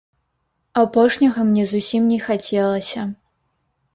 Апошняга мне зусім не хацелася.